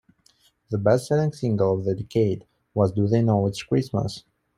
The best-selling single of the decade was Do They Know It's Christmas?